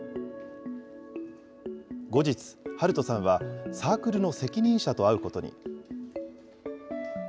後日、ハルトさんはサークルの責任者と会うことに。